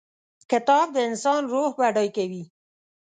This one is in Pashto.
کتاب د انسان روح بډای کوي.